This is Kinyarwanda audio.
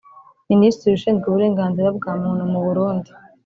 Minisitiri ushinzwe uburenganzira bwa muntu mu Burundi